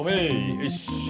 よし！